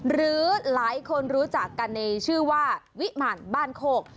หรือหลายคนรู้จักกันในชื่อว่าวิมารบ้านโคก